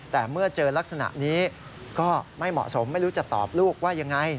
แต่เมื่อเจอลักษณะนี้ก็ไม่เหมาะสมไม่รู้จะตอบลูกว่ายังไง